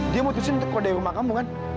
dia memutuskan untuk keluar dari rumah kamu kan